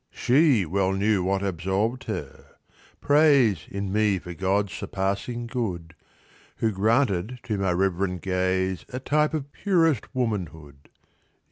She well knew what absolved her praise In me for God's surpassing good, Who granted to my reverent gaze A type of purest womanhood.